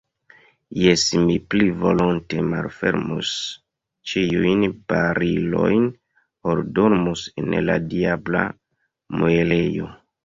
Jes, mi pli volonte malfermus ĉiujn barilojn, ol dormus en la diabla muelejo.